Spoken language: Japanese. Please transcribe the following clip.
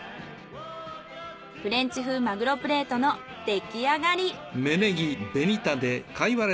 フレンチ風マグロプレートの出来上がり。